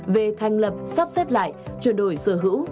về thành lập sắp xếp lại chuyển đổi sở hữu